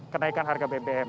kenaikan harga bbm